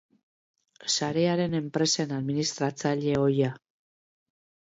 Sarearen enpresen administratzaile ohia.